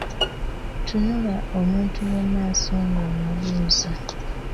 Tunula omuntu mu maaso ng'omubuuza.